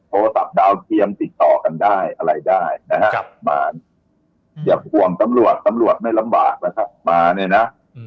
โทรศัพท์ดาวเทียมติดต่อกันได้อะไรได้นะฮะมาอย่าห่วงตำรวจตำรวจไม่ลำบากนะครับมาเนี่ยนะ